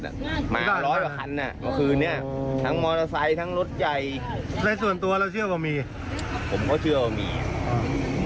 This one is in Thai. คัตรีลว่าถ้ามีจริงจริงหรือไม่จริง